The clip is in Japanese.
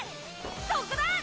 そこだ！